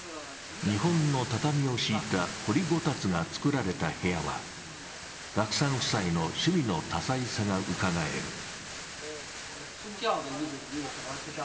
日本の畳を敷いた掘りごたつが作られた部屋は岳さん夫妻の趣味の多彩さがうかがえる。